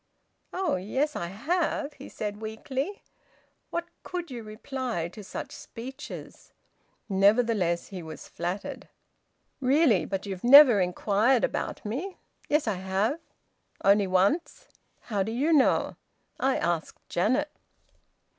"Oh yes, I have," he said weakly. What could you reply to such speeches? Nevertheless he was flattered. "Really? But you've never inquired about me." "Yes, I have." "Only once." "How do you know?" "I asked Janet."